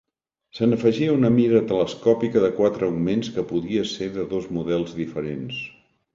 Se n'afegia una mira telescòpica de quatre augments que podia ser de dos models diferents.